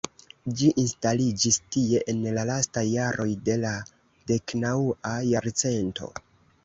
Ĝi instaliĝis tie en la lastaj jaroj de la deknaŭa jarcento.